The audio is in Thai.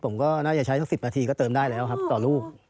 ผมก็น่าจะใช้สัก๑๐นาทีก็เติมได้แล้วครับต่อลูก